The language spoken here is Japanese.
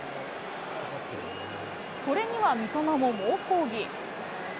これには三笘も猛抗議。